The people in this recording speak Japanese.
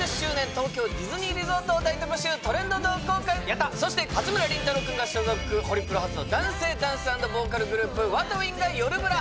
東京ディズニーリゾートを大特集トレンド同好会そして八村倫太郎くんが所属ホリプロ初の男性ダンス＆ボーカルグループＷＡＴＷＩＮＧが「よるブラ」